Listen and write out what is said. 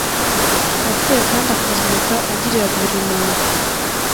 wapfuye kandi akazuka agirira buri muntu